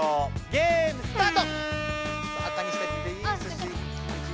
ゲームスタート！